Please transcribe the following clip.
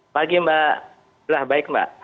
pagi mbak baik mbak